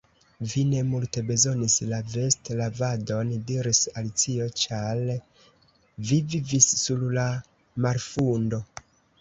"Vi ne multe bezonis la vestlavadon," diris Alicio "ĉar vi vivis sur la marfundo."